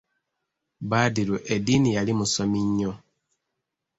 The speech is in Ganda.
Badru eddiini yali musomi nnyo.